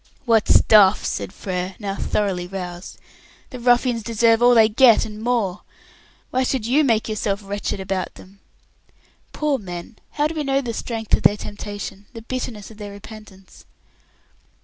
"What stuff!" said Frere, now thoroughly roused. "The ruffians deserve all they get and more. Why should you make yourself wretched about them?" "Poor men! How do we know the strength of their temptation, the bitterness of their repentance?"